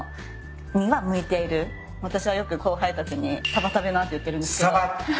私はよく後輩たちに。って言ってるんですけど。